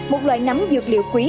một loại nấm dược liệu quý